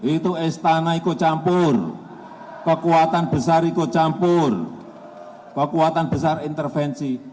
itu istana ikut campur kekuatan besar ikut campur kekuatan besar intervensi